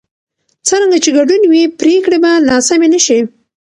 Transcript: څرنګه چې ګډون وي، پرېکړې به ناسمې نه شي.